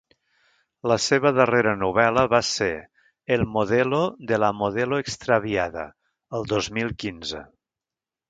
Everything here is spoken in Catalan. La seva darrera novel·la va ser ‘El modelo de la modelo extraviada’ el dos mil quinze.